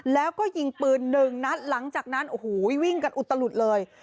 แล้วก็ยิงปืนหนึ่งนัดหลังจากนั้นโอ้โหวิ่งกันอุตลุดเลย